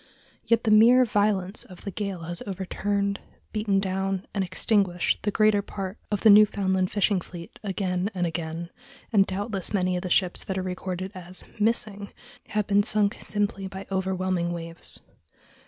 Yet the mere violence of the gale has overturned, beaten down, and extinguished the greater part of the Newfoundland fishing fleet again and again, and doubtless many of the ships that are recorded as "missing" have been sunk simply by overwhelming waves.